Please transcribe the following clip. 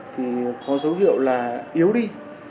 thì có dấu hiệu là yếu đi